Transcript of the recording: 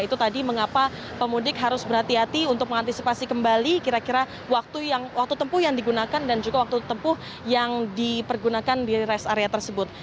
itu tadi mengapa pemudik harus berhati hati untuk mengantisipasi kembali kira kira waktu tempuh yang digunakan dan juga waktu tempuh yang dipergunakan di rest area tersebut